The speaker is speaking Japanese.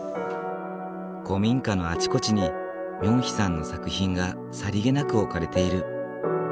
古民家のあちこちにミョンヒさんの作品がさりげなく置かれている。